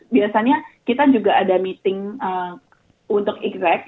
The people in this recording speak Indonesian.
biasanya kita juga ada meeting untuk exact